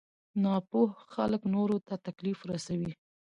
ناپوه خلک نورو ته تکليف رسوي.